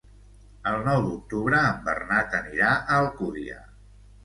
El nou d'octubre en Bernat anirà a Alcúdia.